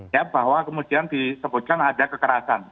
ya bahwa kemudian disebutkan ada kekerasan